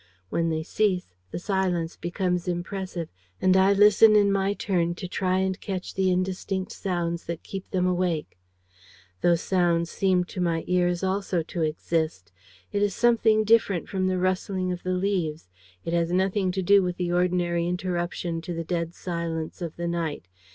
When they cease, the silence becomes impressive and I listen in my turn to try and catch the indistinct sounds that keep them awake. "Those sounds seem to my ears also to exist. It is something different from the rustling of the leaves. It has nothing to do with the ordinary interruption to the dead silence of the night.